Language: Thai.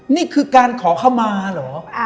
นี่คือการขอเข้ามาเหรอ